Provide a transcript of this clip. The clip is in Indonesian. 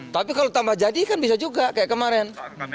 tapi kalau tambah jadi kan bisa juga kayak kemarin